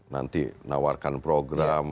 nanti nawarkan program